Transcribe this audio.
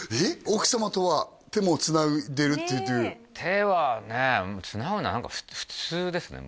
奥様とは手もつないでるっていう手はねつなぐのは何か普通ですね